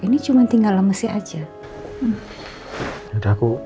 ini cuma tinggal lemesin aja